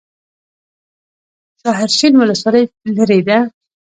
شاحرچین ولسوالۍ لیرې ده؟